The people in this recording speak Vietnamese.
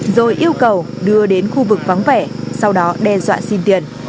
rồi yêu cầu đưa đến khu vực vắng vẻ sau đó đe dọa xin tiền